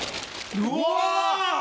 うわ！